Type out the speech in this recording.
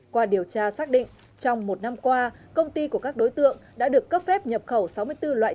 qua điều tra xác định trong một năm qua công ty của các đối tượng đã được cấp phép nhập khẩu sáu mươi bốn loại